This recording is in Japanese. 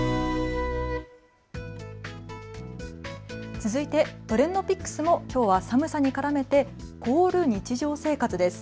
続いてＴｒｅｎｄＰｉｃｋｓもきょうは寒さに絡めて凍る日常生活です。